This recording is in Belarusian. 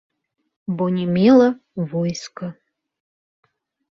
Бо не мела войска.